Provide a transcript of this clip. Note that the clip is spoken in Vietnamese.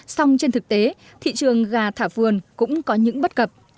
xong trên thực tế thị trường gà thả vườn cũng có những bất cập